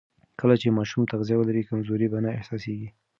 کله چې ماشوم تغذیه ولري، کمزوري به نه احساسېږي.